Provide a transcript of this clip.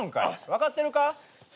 分かってるか？